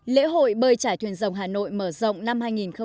lễ hội bơi trải thuyền rồng hà nội mở rộng năm hai nghìn một mươi tám